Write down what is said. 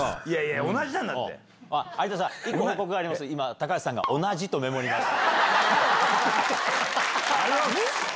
高橋さんが「同じ」とメモりました。